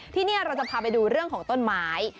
ที่นี่เราจะพาไปดูเรื่องของต้นไม้